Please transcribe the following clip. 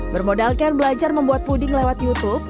bermodalkan belajar membuat puding lewat youtube